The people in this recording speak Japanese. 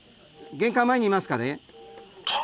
玄関前にいますかね？